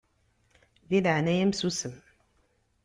Di leɛnaya-m susem.